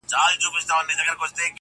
ما ستا لپاره په خزان کي هم کرل گلونه.